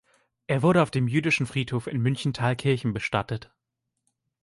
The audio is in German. Er wurde auf dem Jüdischen Friedhof in München-Thalkirchen bestattet.